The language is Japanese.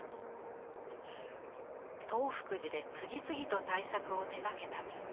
東福寺で次々と大作を手がけた明兆。